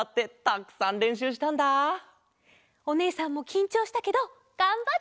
おねえさんもきんちょうしたけどがんばってうたいました。